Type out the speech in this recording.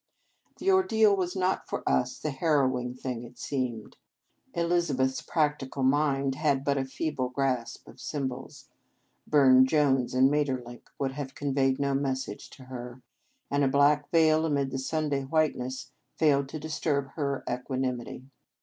The ordeal was not for us the harrowing thing it seemed. Elizabeth s practical mind had but a feeble grasp of symbols. Burne Jones and Maeterlinck would have conveyed no message to her, and a black veil amid the Sunday white ness failed to disturb her, equanimity.